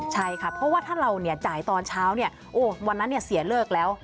ใช่ค่ะเพราะว่าถ้าเราจ่ายตอนเช้าเนี่ยโอ้วันนั้นเสียเลิกแล้ว